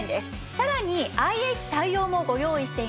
さらにＩＨ対応もご用意しています。